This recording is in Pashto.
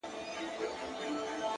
o د دوبي ټکنده غرمې د ژمي سوړ سهار مي،